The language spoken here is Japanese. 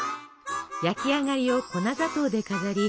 焼き上がりを粉砂糖で飾り